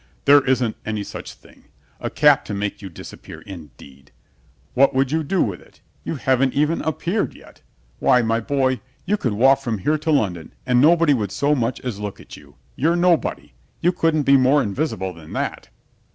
"There isn't any such thing. A cap to make you disappear, indeed! What would you do with it? You haven't even appeared yet. Why, my boy, you could walk from here to London, and nobody would so much as look at you. You're nobody. You couldn't be more invisible than that."